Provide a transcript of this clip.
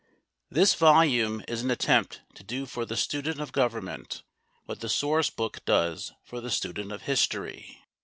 This volume is an attempt to do for the student of Government what the source book does for the student of History.